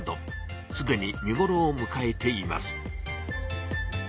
すでに見ごろをむかえています。